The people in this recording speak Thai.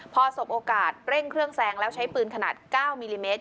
พอสบโอกาสเร่งเครื่องแซงแล้วใช้ปืนขนาด๙มิลลิเมตร